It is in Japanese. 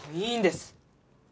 いいんです。